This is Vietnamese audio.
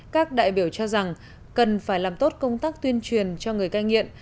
các đại biểu cho rằng cần phải làm tốt công tác tuyên truyền cho người cai nghiện